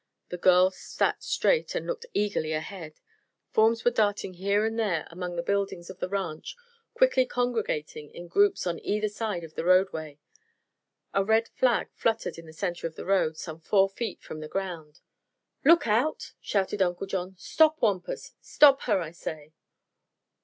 The girls sat straight and looked eagerly ahead. Forms were darting here and there among the buildings of the ranch, quickly congregating in groups on either side of the roadway. A red flag fluttered in the center of the road, some four feet from the ground. "Look out!" shouted Uncle John. "Stop, Wampus; stop her, I say!"